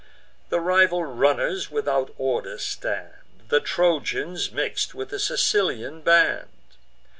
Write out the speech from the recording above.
The rival runners without order stand; The Trojans mix'd with the Sicilian band.